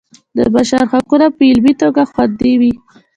د بشر حقونه په عملي توګه خوندي وي.